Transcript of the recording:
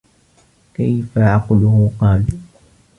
كَيْفَ عَقْلُهُ ؟ قَالُوا